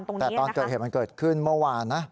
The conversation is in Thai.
ตรงนี้น่ะฮะ